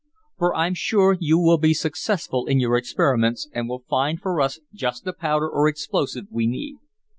For I'm sure you will be successful in your experiments, and will find for us just the powder or explosive we need."